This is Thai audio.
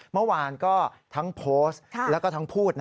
เมื่อวานก็ทั้งโพสต์แล้วก็ทั้งพูด